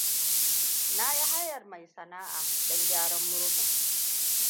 Na yi hayar mai sana'a don gyaran murhun.